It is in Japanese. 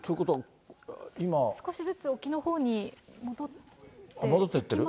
少しずつ沖のほうに戻ってき戻っていってる？